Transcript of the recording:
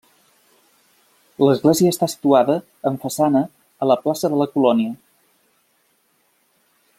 L'església està situada amb façana a la plaça de la colònia.